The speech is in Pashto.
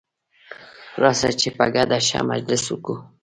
راسه چي په ګډه ښه مجلس وکو.